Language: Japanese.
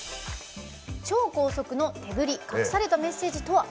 「超高速の手振り隠されたメッセージとは？」。